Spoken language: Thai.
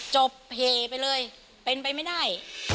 จบเหไปเลยเป็นไปไม่ได้